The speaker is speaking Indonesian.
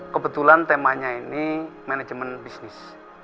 kebetulan temanya ini manajemen bisnis